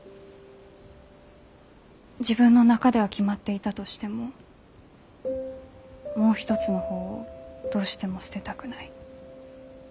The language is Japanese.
自分の中では決まっていたとしてももう一つの方をどうしても捨てたくない。